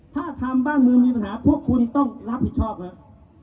ถ้าทำบ้านเมืองมีปัญหาพวกคุณต้องรับผิดชอบครับ